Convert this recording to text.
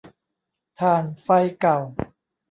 ถ่านไฟเก่า